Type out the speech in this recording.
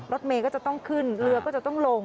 รถเมย์ก็จะต้องขึ้นเรือก็จะต้องลง